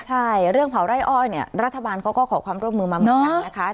ใช่เรื่องเผาไร้อ้อยรัฐบาลเขาก็ขอความร่วมมือมามากกว่า